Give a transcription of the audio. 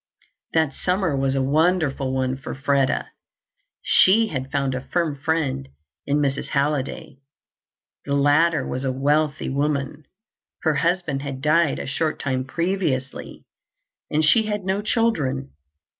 That summer was a wonderful one for Freda. She had found a firm friend in Mrs. Halliday. The latter was a wealthy woman. Her husband had died a short time previously and she had no children.